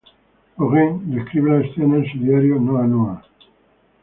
Gauguin describe la escena en su diario "Noa Noa".